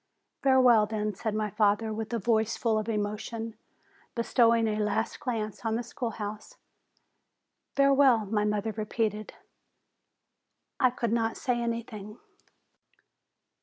"Farewell, then," said my father with a voice full of emotion, bestowing a last glance on the schoolhouse. "Farewell!" my mother repeated. I could not say anything.